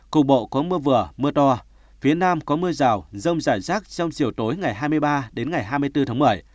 cục bộ có mưa vừa mưa to phía nam có mưa rào rông rải rác trong chiều tối ngày hai mươi ba đến ngày hai mươi bốn tháng một mươi